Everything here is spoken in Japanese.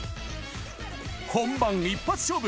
本番一発勝負。